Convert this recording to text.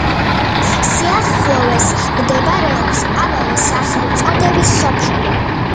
სიახლოვეს მდებარეობს ამავე სახელწოდების სოფელი.